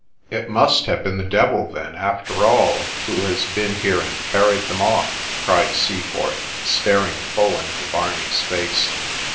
' It must have been the devil, then, after all, who has been 2 THE SPECTRE here and carried them off !' cried Seaforth, staring full into Barney's face.